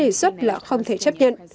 đề xuất là không thể chấp nhận